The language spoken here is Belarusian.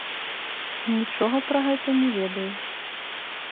Нічога пра гэта не ведаю.